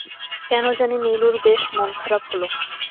কেন জানি নীলুর বেশ মন-খারাপ হল।